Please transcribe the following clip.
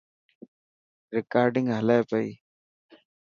رڪارڊنگ هلي پئي.